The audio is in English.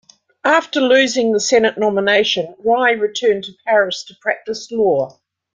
After losing the Senate nomination, Rye returned to Paris to practice law.